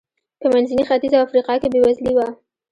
په منځني ختیځ او افریقا کې بېوزلي و.